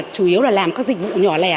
chủ yếu là làm các dịch vụ nhỏ lẻ